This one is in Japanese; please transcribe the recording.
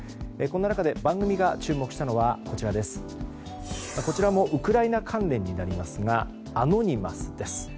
こんな中で番組が注目したのはこちらもウクライナ関連になりますがアノニマスです。